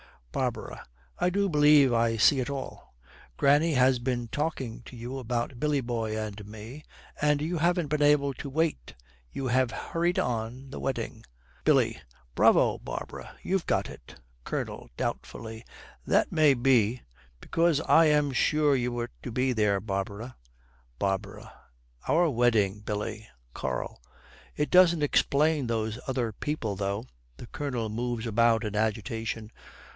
BARBARA. 'I do believe I see it all. Granny has been talking to you about Billy boy and me, and you haven't been able to wait; you have hurried on the wedding!' BILLY. 'Bravo, Barbara, you've got it.' COLONEL, doubtfully, 'That may be it. Because I am sure you were to be there, Barbara.' BARBARA. 'Our wedding, Billy!' KARL. 'It doesn't explain those other people, though.' The Colonel moves about in agitation.